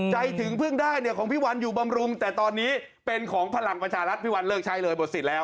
ถึงเพิ่งได้เนี่ยของพี่วันอยู่บำรุงแต่ตอนนี้เป็นของพลังประชารัฐพี่วันเลิกใช้เลยหมดสิทธิ์แล้ว